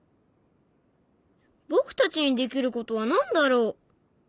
僕たちにできることは何だろう？